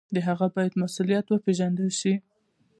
هغه باید مسوول وپېژندل شي.